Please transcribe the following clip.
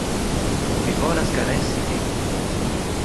Mi volas karesi vin